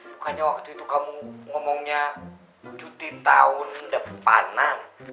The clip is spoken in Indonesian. bukannya waktu itu kamu ngomongnya cuti tahun depanan